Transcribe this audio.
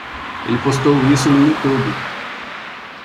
Ele postou isso no YouTube